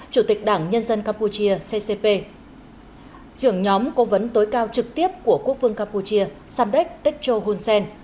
chủ tịch đảng nhân dân campuchia ccp trưởng nhóm cố vấn tối cao trực tiếp của quốc vương campuchia samdech techo hun sen